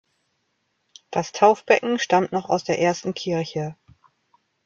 Das Taufbecken stammt noch aus der ersten Kirche.